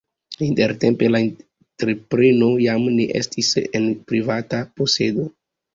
Intertempe la entrepreno jam ne estis en privata posedo.